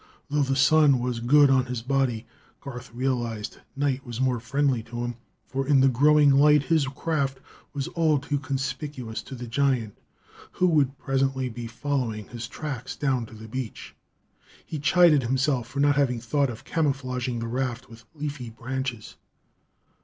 Though the sun was good on his body, Garth realized night was more friendly to him, for in the growing light his craft was all too conspicuous to the giant who would presently be following his tracks down to the beach. He chided himself for not having thought of camouflaging the raft with leafy branches.